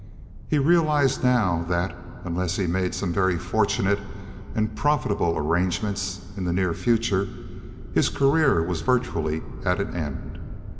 He realized now that, unless he made some very fortunate and profitable arrangements in the near future, his career was virtually at an end.